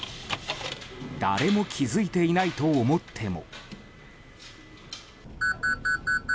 誰も気づいていないと思っても。